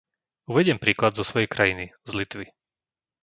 Uvediem príklad zo svojej krajiny, z Litvy.